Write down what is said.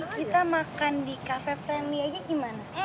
kita makan di kafe friendly aja gimana